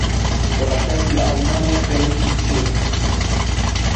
کوڕەکەت لە ئەڵمانیا خەریکی چییە؟